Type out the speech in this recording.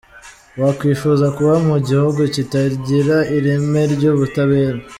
Wakwifuza kuba mu gihugu kitagira ireme ry’ubutabera?.